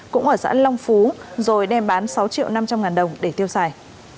cũng ở xã long phú rồi đem bán sáu triệu năm trăm linh ngàn đồng để tiêu xài